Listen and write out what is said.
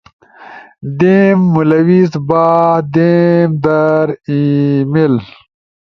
دیم، ملوث با، دیم در، ای میل